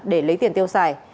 để lấy tiền tiêu xài